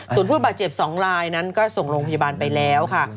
ส่วนผู้บาดเจ็บ๒ลายนั้นก็ส่งโรงพยาบาลไปแล้วค่ะ